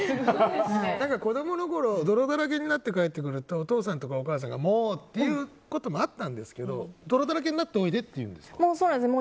子供のころ泥だらけになって帰ってくるとお父さんとかお母さんがもう！ってこともあったんですけど泥だらけになっておいでって言うんですか？